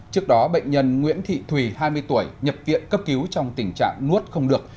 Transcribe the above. trước đó bệnh nhân nguyễn thị thùy hai mươi tuổi nhập viện cấp cứu trong tình trạng nuốt không được